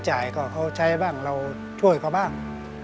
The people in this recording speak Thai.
จ่ายก็เขาใช้บ้างเราช่วยเขาบ้าง